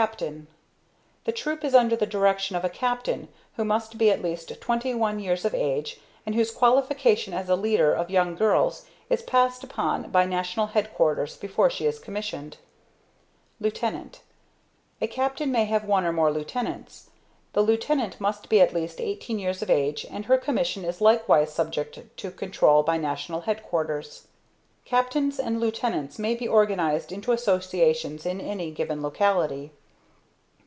Captain. The Troop is under the direction of a Captain who must be at least twenty one years of age and whose qualification as a leader of young girls is passed upon by National Headquarters before she is commissioned. Lieutenant. A Captain may have one or more Lieutenants. The Lieutenant must be at least eighteen years of age and her commission is likewise subject to control by National Headquarters. Captains and Lieutenants may be organized into associations in any given locality.